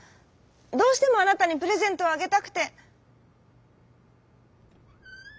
どうしてもあなたにプレゼントをあげたくて」。